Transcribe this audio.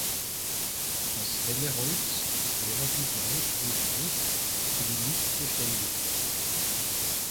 Das helle Holz ist relativ leicht und weich sowie nicht beständig.